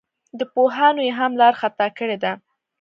له پوهانو یې هم لار خطا کړې ده.